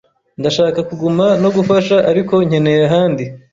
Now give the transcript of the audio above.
Ndashaka kuguma no gufasha, ariko nkeneye ahandi.